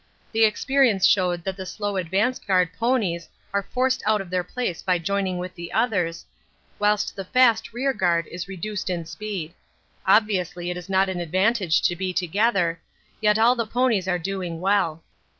The experience showed that the slow advance guard ponies are forced out of their place by joining with the others, whilst the fast rearguard is reduced in speed. Obviously it is not an advantage to be together, yet all the ponies are doing well.